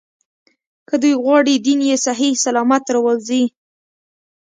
که دوی غواړي دین یې صحیح سلامت راووځي.